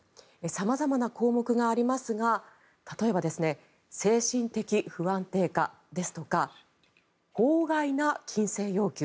様々な項目がありますが例えば精神的不安定化ですとか法外な金銭要求